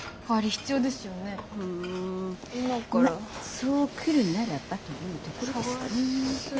そう来るならばというところですかね。